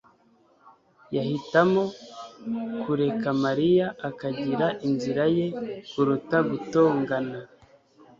yahitamo kureka Mariya akagira inzira ye kuruta gutongana.